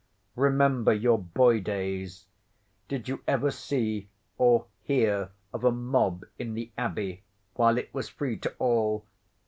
Remember your boy days. Did you ever see, or hear, of a mob in the Abbey, while it was free to all?